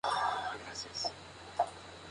Tiempo más tarde, regresaron a Córdoba.